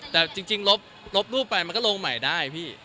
แต่จริงลบรูปไปมันก็ลงใหม่ได้พี่